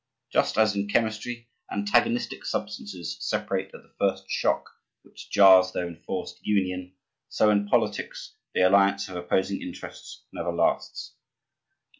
Just as in chemistry antagonistic substances separate at the first shock which jars their enforced union, so in politics the alliance of opposing interests never lasts.